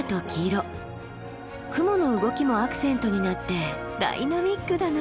雲の動きもアクセントになってダイナミックだな。